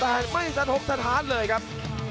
แต่ไม่สะทกสถานเลยครับ